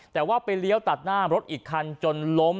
แต่ว่าไปเลี้ยวตัดหน้ารถอีกคันจนล้ม